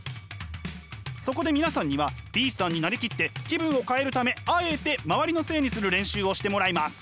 そこで皆さんにはＢさんになりきって気分を変えるためあえて周りのせいにする練習をしてもらいます。